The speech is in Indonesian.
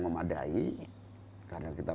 memadai karena kita